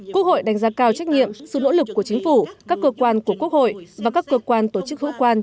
quốc hội đánh giá cao trách nhiệm sự nỗ lực của chính phủ các cơ quan của quốc hội và các cơ quan tổ chức hữu quan